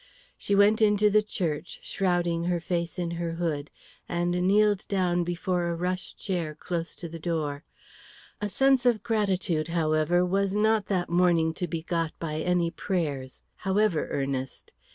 She went into the church, shrouding her face in her hood, and kneeled down before a rush chair close to the door. A sense of gratitude, however, was not that morning to be got by any prayers, however earnest.